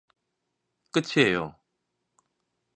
끝이에요.